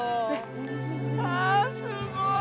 あすごい。